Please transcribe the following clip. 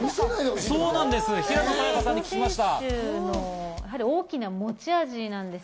平野早矢香さんに聞きました。